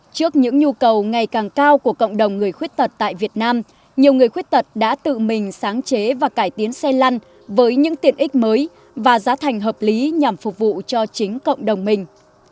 trước những nhu cầu ngày càng cao của cộng đồng người khuyết tật tại việt nam nhiều người khuyết tật đã tự mình sáng chế và cải tiến xe lăn với những tiện ích mới và giá thành hợp lý nhằm phục vụ cho chính cộng đồng mình